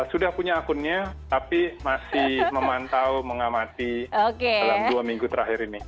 sudah punya akunnya tapi masih memantau mengamati dalam dua minggu terakhir ini